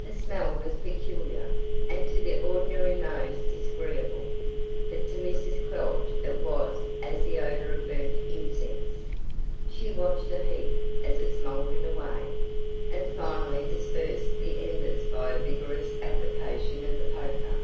The smell was peculiar, and to the ordinary nose disagreeable, but to Mrs. Quelch it was as the odour of burnt incense. She watched the heap as it smouldered away, and finally dispersed the embers by a vigorous application of the poker.